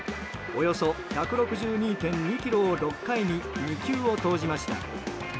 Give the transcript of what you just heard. およそ１６２．２キロを６回に２球を投じました。